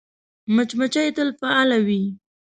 مچمچۍ تل فعاله وي